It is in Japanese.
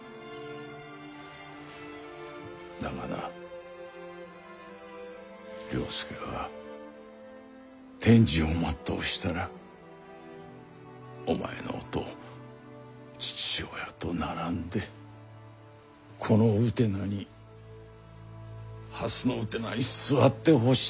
だがな了助が天寿を全うしたらお前のおとう父親と並んでこのうてなに蓮のうてなに座ってほしいのだ。